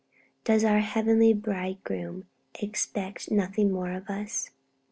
Does our heavenly Bridegroom expect nothing more of us?